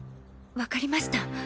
分かりました。